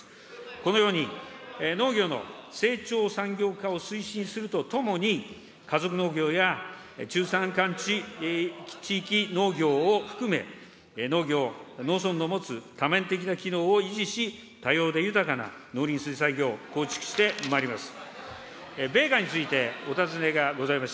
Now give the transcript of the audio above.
このように、農業の成長産業化を推進するとともに、家族農業や中山間地域農業を含め、農業、農村の持つ多面的な機能を維持し、多様で豊かな農林水産業を構築してまいります。